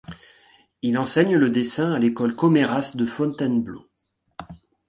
Il enseigne le dessin à l’école Comairas de Fontainebleau.